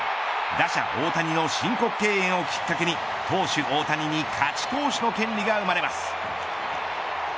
打者大谷の申告敬遠をきっかけに投手大谷に勝ち投手の権利が生まれます。